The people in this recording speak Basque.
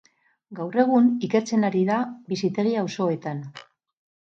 Gaur egun, ikertzen ari da bizitegi-auzoetan.